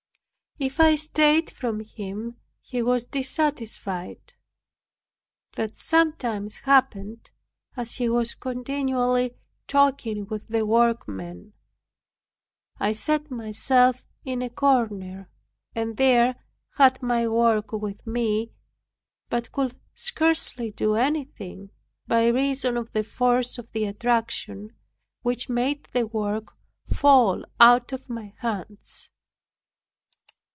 If I stayed from him he was dissatisfied. That sometimes happened as he was continually talking with the workmen. I set myself in a corner, and there had my work with me, but could scarcely do anything by reason of the force of the attraction which made the work fall out of my hands.